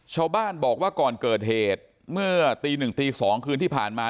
ชาวบ้านบอกว่าก่อนเกิดเหตุเมื่อตีหนึ่งตี๒คืนที่ผ่านมา